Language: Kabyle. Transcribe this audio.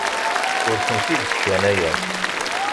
Ur tent-id-sskanayeɣ.